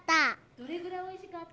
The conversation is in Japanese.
どれぐらいおいしかった？